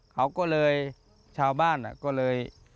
เขาก็เลยชาวบ้านก็เลย